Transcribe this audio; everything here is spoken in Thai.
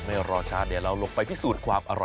ไม่รอช้าเดี๋ยวเราลงไปพิสูจน์ความอร่อย